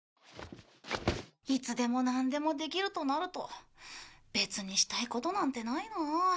いつでもなんでもできるとなると別にしたいことなんてないな。